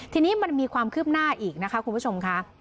ทีนี้มันมีความคืบหน้าอีกนะคะคุณผู้ชมค่ะ